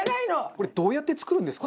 これどうやって作るんですか？